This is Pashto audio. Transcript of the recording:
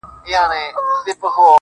o زما په خيال هري انجلۍ ته گوره.